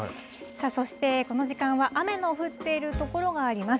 そして、この時間は雨の降っている所があります。